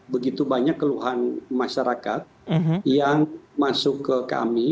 begitu banyak keluhan masyarakat yang masuk ke kami